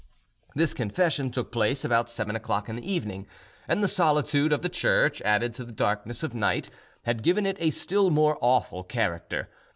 This confession took place about seven o'clock in the evening, and the solitude of the church, added to the darkness of night, had given it a still more awful character.